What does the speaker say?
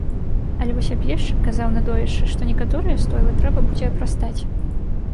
Але вось аб'ездчык казаў надоечы, што некаторыя стойлы трэба будзе апрастаць.